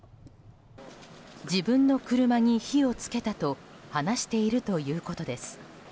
自分の車に火を付けたと話しているということです。